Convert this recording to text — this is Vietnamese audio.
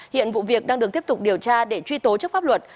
hiện vụ việc đang được tiếp tục điều tra để truy tố trước pháp luật